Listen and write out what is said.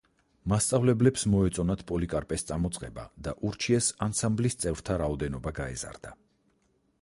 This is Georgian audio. მასწავლებლებს მოეწონათ პოლიკარპეს წამოწყება და ურჩიეს, ანსამბლის წევრთა რაოდენობა გაეზარდა.